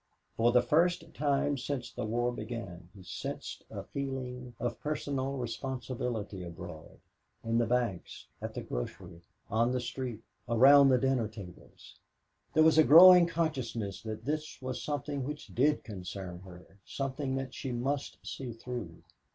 For the first time since the war began he sensed a feeling of personal responsibility abroad in the banks, at the grocery, on the street, around the dinner tables. There was a growing consciousness that this was something which did concern her, something that she must see through.